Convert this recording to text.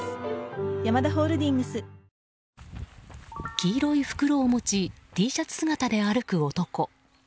黄色い袋を持ちＴシャツ姿で歩く男。